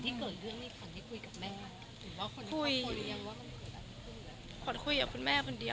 คุณเกิดเรื่องนี่คุณกล๘๕เนี่ยคุยกับแม่ยังไง